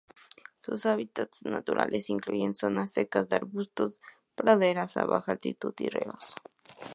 Sus hábitats naturales incluyen zonas secas de arbustos, praderas a baja altitud y ríos.